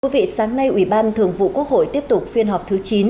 thưa quý vị sáng nay ủy ban thường vụ quốc hội tiếp tục phiên họp thứ chín